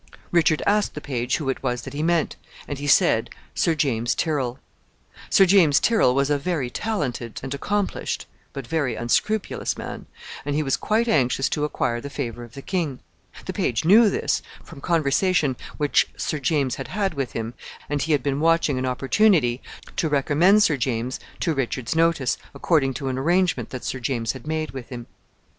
Richard asked the page who it was that he meant, and he said Sir James Tyrrel. Sir James Tyrrel was a very talented and accomplished, but very unscrupulous man, and he was quite anxious to acquire the favor of the king. The page knew this, from conversation which Sir James had had with him, and he had been watching an opportunity to recommend Sir James to Richard's notice, according to an arrangement that Sir James had made with him.